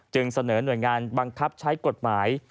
เสนอหน่วยงานบังคับใช้กฎหมาย